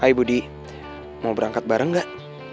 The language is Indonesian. hai budi mau berangkat bareng gak